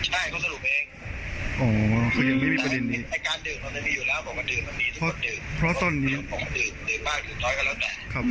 มีผิดอย่างว่าไม่ดีครับแต่ว่าให้การว่าดื่มสุรามีครับ